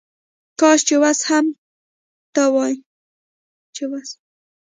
کاش چې وس هم ته وای